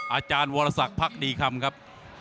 อาจารย์วรสักพักดีคำครับ